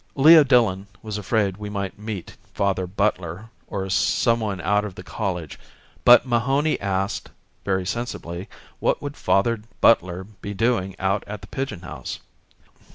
Leo Dillon was afraid we might meet Father Butler or someone out of the college; but Mahony asked, very sensibly, what would Father Butler be doing out at the Pigeon House.